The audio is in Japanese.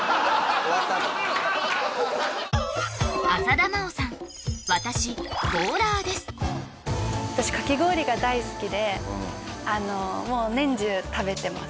終わったあと私かき氷が大好きでもう年中食べてます